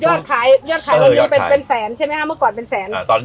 ยอดขายยอดขายยืนเป็นแสนใช่ไหมฮะเมื่อก่อนเป็นแสน